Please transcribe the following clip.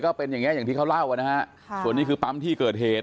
ก็เป็นอย่างนี้อย่างที่เขาเล่าส่วนนี้คือปั๊มที่เกิดเหตุ